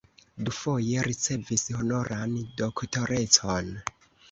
Dufoje ricevis honoran doktorecon.